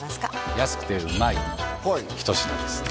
安くてうまい一品です